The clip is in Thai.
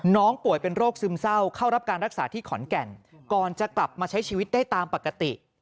ป่วยเป็นโรคซึมเศร้าเข้ารับการรักษาที่ขอนแก่นก่อนจะกลับมาใช้ชีวิตได้ตามปกติ